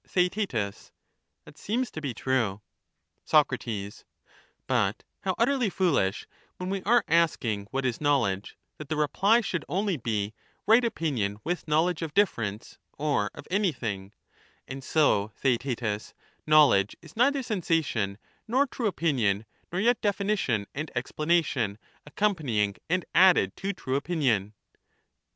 Theaet That seems to be true. Soc, But how utterly foolish, when we are asking what is knowledge, that the reply should only be, right opinion with knowledge of difference or of anything I And so, Theae tetus, knowledge is neither sensation nor true opinion, nor yet definition and explanation accompanying and added to true opinion